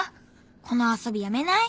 この遊びやめない？